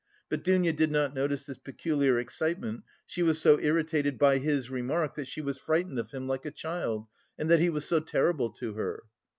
But Dounia did not notice this peculiar excitement, she was so irritated by his remark that she was frightened of him like a child and that he was so terrible to her.